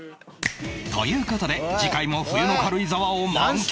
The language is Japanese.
という事で次回も冬の軽井沢を満喫？